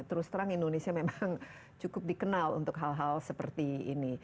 terus terang indonesia memang cukup dikenal untuk hal hal seperti ini